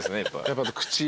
やっぱ口。